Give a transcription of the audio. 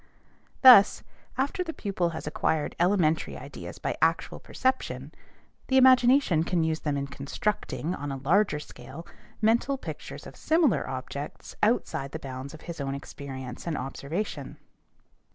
Thus, after the pupil has acquired elementary ideas by actual perception, the imagination can use them in constructing, on a larger scale, mental pictures of similar objects outside the bounds of his own experience and observation.